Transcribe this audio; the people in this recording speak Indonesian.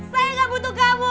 saya gak butuh kamu